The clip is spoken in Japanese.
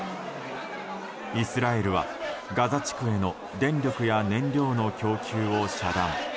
イスラエルはガザ地区への電力や燃料の供給を遮断。